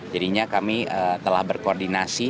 jadinya kami telah berkoordinasi